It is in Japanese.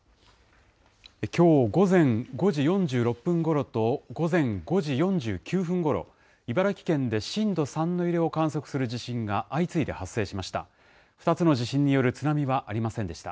きょう午前５時４６分ごろと、午前５時４９分ごろ、茨城県で震度３の揺れを観測する地震が相次いで発生しました。